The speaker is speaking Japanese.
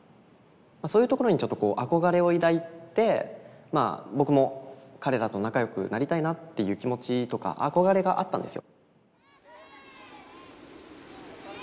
そういうところにちょっとこう憧れを抱いてまあ僕も彼らと仲良くなりたいなっていう気持ちとか憧れがあったんですよ。